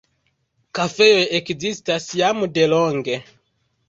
Kafejoj ekzistas jam delonge.